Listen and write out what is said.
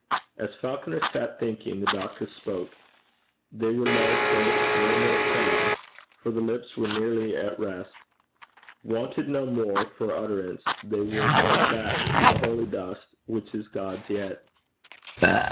As Falconer sat thinking, the doctor spoke. They were low, faint, murmurous sounds, for the lips were nearly at rest. Wanted no more for utterance, they were going back to the holy dust, which is God's yet.